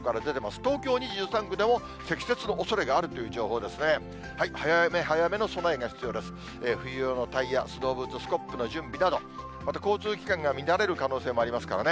東京２３区でも、積雪のおそれがあるという情報ですね。